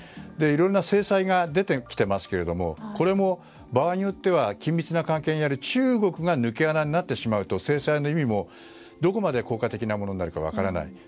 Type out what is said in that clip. いろんな制裁が出てきていますけれどもこれも場合によっては緊密な関係にある中国が抜け穴になってしまうと制裁の意味もどこまで効果的なものになるか分からない。